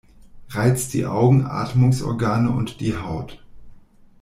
Reizt die Augen, Atmungsorgane und die Haut.